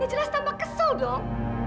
ini jelas tambah kesel dong